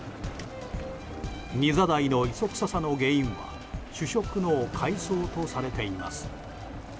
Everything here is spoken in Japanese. ニザダイの磯くささの原因は主食の海藻とされています。